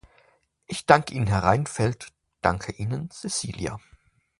Ich danke Ihnen, Herr Reinfeldt, danke Ihnen, Cecilia.